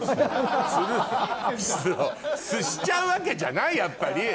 しちゃうわけじゃないやっぱり。